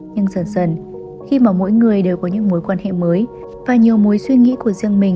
nhưng dần dần khi mà mỗi người đều có những mối quan hệ mới và nhiều mối suy nghĩ của riêng mình